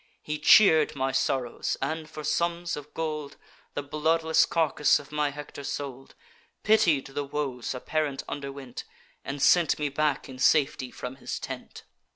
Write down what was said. He cheer'd my sorrows, and, for sums of gold, The bloodless carcass of my Hector sold; Pitied the woes a parent underwent, And sent me back in safety from his tent.